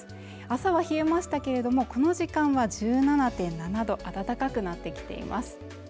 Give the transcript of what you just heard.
朝は冷えましたけれどもこの時間は１７．７度暖かくなってきています